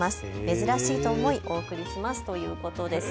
珍しいと思いお送りしますということです。